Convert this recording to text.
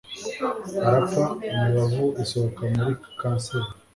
arapfa, imibavu isohoka muri censer